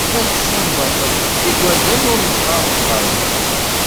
Akeččum baṭel i igerdan ur neqqar deg uɣerbaz.